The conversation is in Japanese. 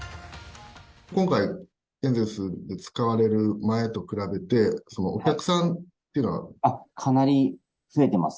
今回、エンゼルスで使われる前と比べて、かなり増えてます。